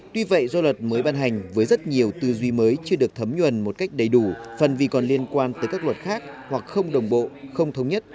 tuy vậy do luật mới ban hành với rất nhiều tư duy mới chưa được thấm nhuần một cách đầy đủ phần vì còn liên quan tới các luật khác hoặc không đồng bộ không thống nhất